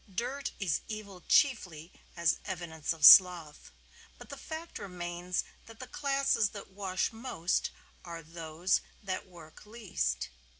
Dirt is evil chiefly as evidence of sloth; but the fact remains that the classes that wash most are those that work least.